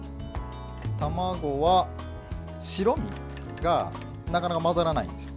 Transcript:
卵は白身がなかなか混ざらないんですよ。